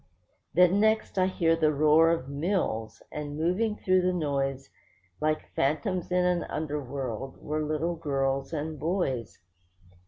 Then next I heard the roar of mills; and moving through the noise, Like phantoms in an underworld, were little girls and boys.